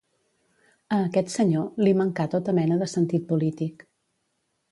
A aquest senyor, li mancà tota mena de sentit polític.